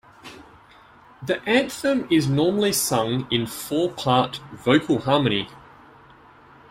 The anthem is normally sung in four part vocal harmony.